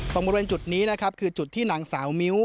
ตรงรวมเป็นจุดนี้คือจุดที่นางสาวมิ้ว